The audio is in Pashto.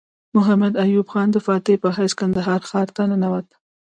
محمد ایوب خان د فاتح په حیث کندهار ښار ته ننوت.